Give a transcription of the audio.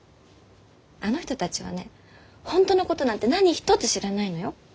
あの人たちはね本当のことなんて何一つ知らないのよ。